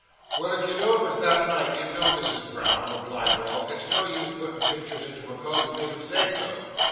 "Well, if you know it was that night, you know, Misses Brown," replied Rob, "it's no use putting pinchers into a cove to make him say so.